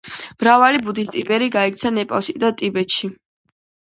მრავალი ბუდისტი ბერი გაიქცა ნეპალში და ტიბეტში.